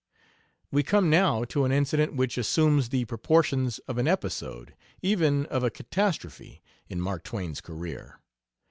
We come now to an incident which assumes the proportions of an episode even of a catastrophe in Mark Twain's career.